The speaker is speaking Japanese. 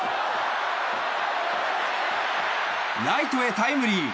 ライトへ、タイムリー！